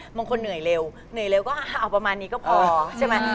บางคนเหนื่อยเร็วเหนื่อยเร็วก็เอาประมาณนี้ก็พอใช่ไหม